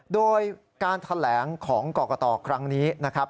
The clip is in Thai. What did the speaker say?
โดยการแถลงของกรกตครั้งนี้นะครับ